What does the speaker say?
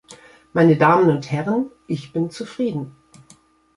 Meine Damen und Herren, ich bin zufrieden.